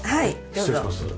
失礼します。